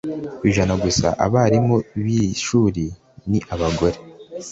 ku ijana gusa by'abarimu b'iri shuri ni abagore